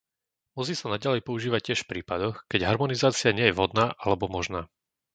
Musí sa naďalej používať tiež v prípadoch, keď harmonizácia nie je vhodná alebo možná.